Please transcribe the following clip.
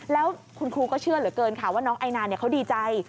แล้วคุณครูก็เชื่อเหลือเกินค่ะว่าน้องไอนาเขาดีใจ